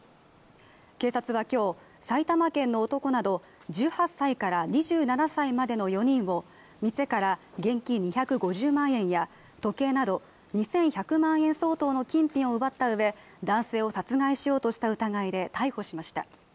警察は今日、埼玉県の男など１８年から２７歳までの男を店から現金２５０万円や時計など２１００万円相当の金品を奪ったうえ男性を殺害しようとした疑いで逮捕しました。